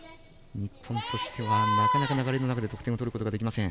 日本としては、なかなか流れの中で得点を取ることができません。